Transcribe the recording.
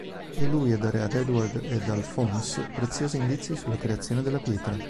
È lui a dare ad Edward ed Alphonse preziosi indizi sulla creazione della pietra.